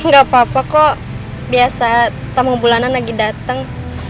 gapapa kok biasa tak mau bulanan lagi dateng